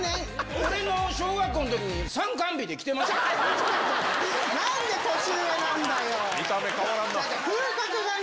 俺の小学校のときに参観日で来てましたよね。